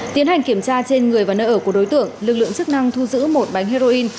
tiến hành kiểm tra trên người và nơi ở của đối tượng lực lượng chức năng thu giữ một bánh heroin